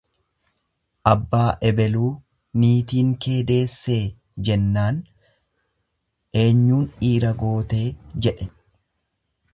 Abbaa ebaluu niitiin kee deessee? Jennaan eenyuun dhiira gootee? jedhe.